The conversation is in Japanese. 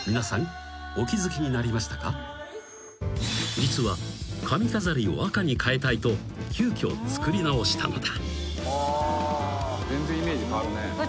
［実は髪飾りを赤に変えたいと急きょ作り直したのだ］